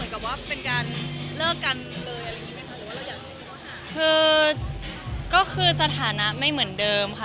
คือก็คือสถานะไม่เหมือนเดิมค่ะ